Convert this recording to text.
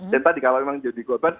dan tadi kalau memang jadi korban